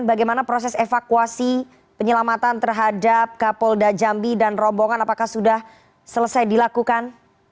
bagaimana proses evakuasi penyelamatan terhadap kapolda jambi dan rombongan apakah sudah selesai dilakukan